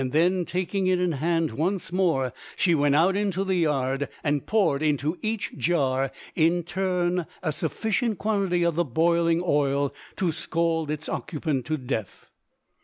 Then taking it in hand once more, she went out into the yard and poured into each jar in turn a sufficient quantity of the boiling oil to scald its occupant to death.